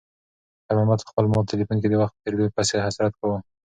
خیر محمد په خپل مات تلیفون کې د وخت په تېریدو پسې حسرت کاوه.